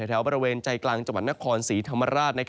แถวบริเวณใจกลางจังหวัดนครศรีธรรมราช